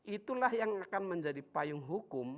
itulah yang akan menjadi payung hukum